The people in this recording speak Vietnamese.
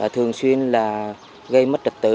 thường xuyên là gây mất trật tự